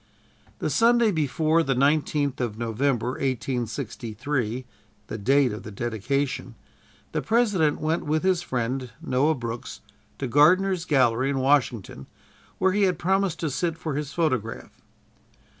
The Sunday before the 19th of November, 1863, the date of the dedication, the President went with his friend Noah Brooks to Gardner's gallery, in Washington, where he had promised to sit for his photograph.